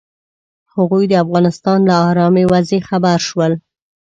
هغوی د افغانستان له ارامې وضعې خبر شول.